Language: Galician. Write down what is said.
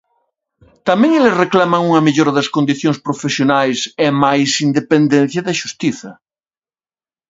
Tamén eles reclaman unha mellora das condicións profesionais e máis independencia da Xustiza.